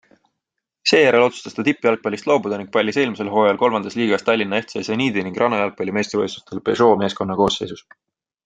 Seejärel otsustas ta tippjalgpallist loobuda ning pallis eelmisel hooajal III liigas Tallinna FC Zenidi ning rannajalgpalli meistrivõistlustel Peugeot' meeskonna koosseisus.